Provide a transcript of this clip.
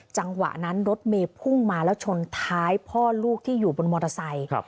จังหวะนั้นรถเมย์พุ่งมาแล้วชนท้ายพ่อลูกที่อยู่บนมอเตอร์ไซค์